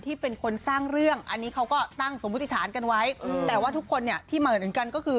ที่เป็นคนสร้างเรื่องอันนี้เขาก็ตั้งสมมุติฐานกันไว้แต่ว่าทุกคนเนี่ยที่เหมือนเหมือนกันก็คือ